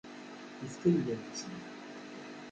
Yefka-yi-d adlis-nni.